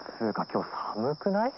今日寒くない？